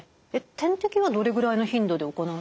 点滴はどれぐらいの頻度で行うんですか？